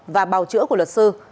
và bào chữa của luật sư